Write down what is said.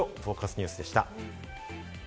ニュースでした。